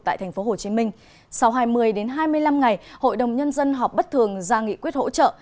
tại tp hcm sau hai mươi hai mươi năm ngày hội đồng nhân dân họp bất thường ra nghị quyết hỗ trợ